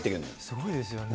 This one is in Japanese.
すごいですよね。